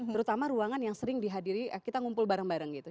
terutama ruangan yang sering dihadiri kita ngumpul bareng bareng gitu